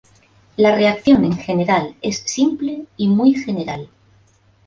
La reacción en general es simple y muy general.